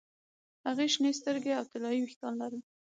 هغې شنې سترګې او طلايي ویښتان لرل